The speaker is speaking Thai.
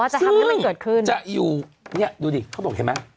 จะทำให้มันเกิดขึ้นจะอยู่เนี่ยดูดิเขาบอกเห็นไหม